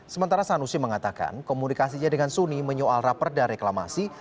sementara sanusi mengatakan komunikasinya dengan suni menyoal raperda reklamasi